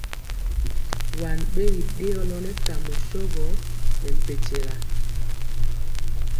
Waŋ bɛri dëɔlo nɛ kamɔ shogɔ ne mpɛntyɛla.